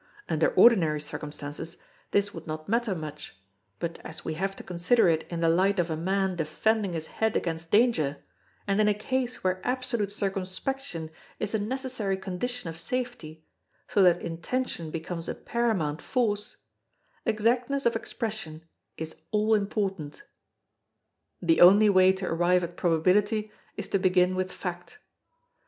Under ordinary circumstances this would not matter much; but as we have to consider it in the light of a man defending his head against danger, and in a case where absolute circumspection is a necessary condition of safety so that intention becomes a paramount force, exactness of expression is all important. The only way to arrive at probability is to begin with fact.